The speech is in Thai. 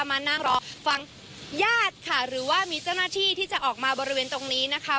มานั่งรอฟังญาติค่ะหรือว่ามีเจ้าหน้าที่ที่จะออกมาบริเวณตรงนี้นะคะ